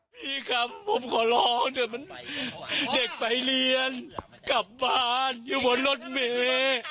พี่ครับผมขอร้องเดี๋ยวมันเด็กไปเรียนกลับบ้านอยู่บนรถเมย์